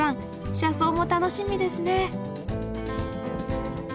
車窓も楽しみですね。